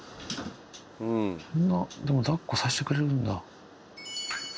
こんなでも抱っこさせてくれるんだ。